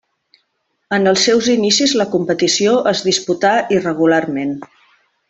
En els seus inicis la competició es disputà irregularment.